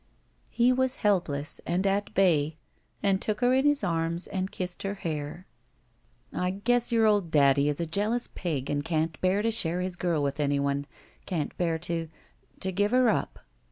He was helpless and at bay and took her in his arms and kissed her hair. "I guess your old daddy is a jealous pig and can't bear to share his girl with anyone. Can't bear to — to give her up."